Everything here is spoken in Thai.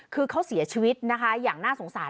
คือเขาเสียชีวิตนะคะอย่างน่าสงสาร